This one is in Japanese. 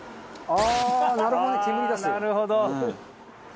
ああなるほど。